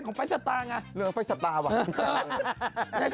ของร่างสุดฝรั่ง